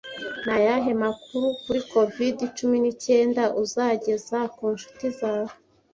Ni ayahe makuru kuri COVID Cumi n'icyenda uzageza ku nshuti zawe?